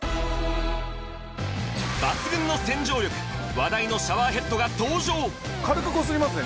話題のシャワーヘッドが登場軽くこすりますね